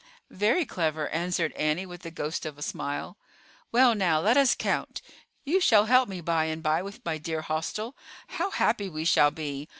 "Very clever," answered Annie, with the ghost of a smile. "Well, now, let us count. You shall help me by and by with my dear hostel. How happy we shall be!